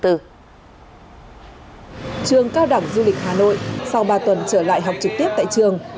trường cao đẳng du lịch hà nội sau ba tuần trở lại học trực tiếp tại trường